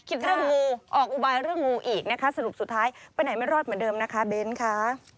คิดเรื่องงูออกอุบายเรื่องงูอีกนะคะสรุปสุดท้ายไปไหนไม่รอดเหมือนเดิมนะคะเบ้นค่ะ